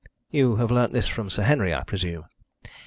"You have learnt this from Sir Henry, I presume?"